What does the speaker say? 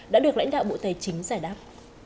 đã được lãnh đạo bộ tài chính giải đáp